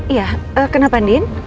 iya kenapa din